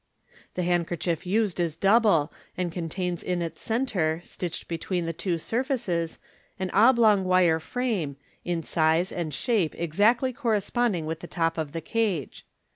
The handkerchief used is double, and contains in its centre, stitched between the two surfaces, an oblong wire frame, in size and shape exactly corresponding with the top of the cage.